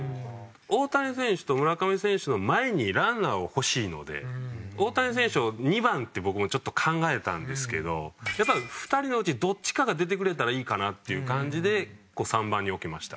大谷選手と村上選手の前にランナーを欲しいので大谷選手を２番って僕もちょっと考えたんですけどやっぱり２人のうちどっちかが出てくれたらいいかなっていう感じで３番に置きました。